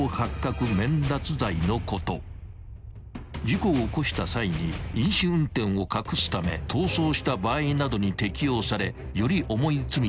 ［事故を起こした際に飲酒運転を隠すため逃走した場合などに適用されより重い罪となる］